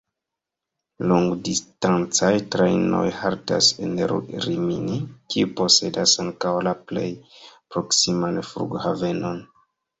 Longdistancaj trajnoj haltas en Rimini, kiu posedas ankaŭ la plej proksiman flughavenon.